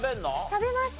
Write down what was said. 食べます。